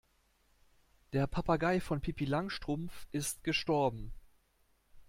Der Papagei von Pippi Langstrumpf ist gestorben.